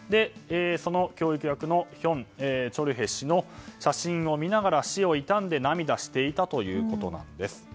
その教育役のヒョン・チョルヘ氏の写真を見ながら死を悼んで涙していたということです。